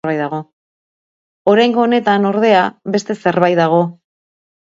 Oraingo honetan, ordea, beste zerbait dago.